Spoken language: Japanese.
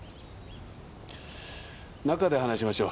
中で話しましょう。